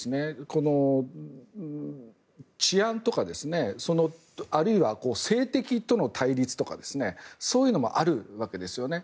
この治安とかあるいは政敵との対立とかそういうのもあるわけですよね。